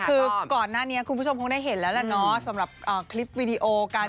คือก่อนหน้านี้คุณผู้ชมคงได้เห็นแล้วแหละเนาะสำหรับคลิปวีดีโอกัน